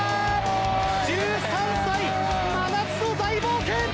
１３歳、真夏の大冒険！